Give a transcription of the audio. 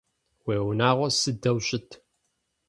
Уиунагъо сыдэу щыт?